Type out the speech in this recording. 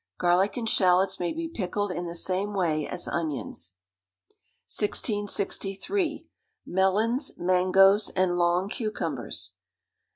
Garlic and shalots may be pickled in the same way as onions. 1663. Melons, Mangoes and Long Cucumbers.